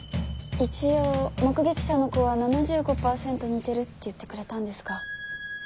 一応目撃者の子は７５％似てるって言ってくれたんですが。